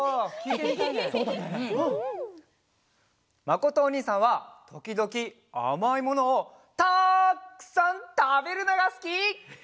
まことおにいさんはときどきあまいものをたくさんたべるのがすき！